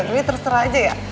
gini terserah aja ya